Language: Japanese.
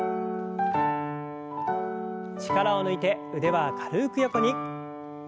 力を抜いて腕は軽く横に。